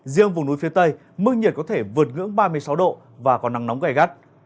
riêng vùng núi phía tây mức nhiệt có thể vượt ngưỡng ba mươi sáu độ và có nắng nóng gai gắt